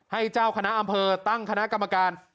เจ้าคณะอำเภอตั้งคณะกรรมการ